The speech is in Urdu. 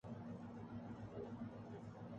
مَیں لامکاں پہ رضاؔ ، اکتفا نہ کر پایا